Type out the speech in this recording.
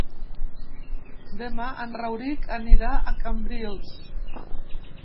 Demà en Rauric anirà a Cambrils.